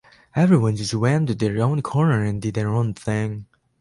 Everyone just went to their own corner and did their own thing.